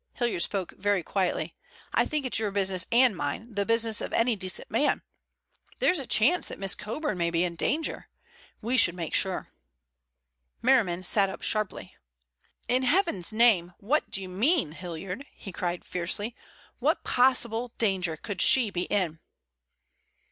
Hilliard spoke very quietly. "I think it's your business and mine—the business of any decent man. There's a chance that Miss Coburn may be in danger. We should make sure." Merriman sat up sharply. "In Heaven's name, what do you mean, Hilliard?" he cried fiercely. "What possible danger could she be in?"